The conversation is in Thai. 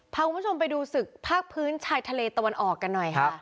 พาคุณผู้ชมไปดูศึกภาคพื้นชายทะเลตะวันออกกันหน่อยค่ะ